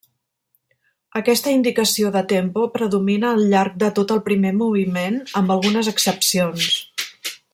Aquesta indicació de tempo predomina al llarg de tot el primer moviment amb algunes excepcions.